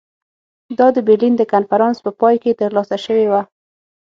دا د برلین د کنفرانس په پای کې ترلاسه شوې وه.